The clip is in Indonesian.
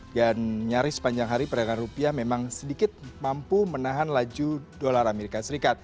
dan nyaris sepanjang hari perdagangan rupiah memang sedikit mampu menahan laju dolar as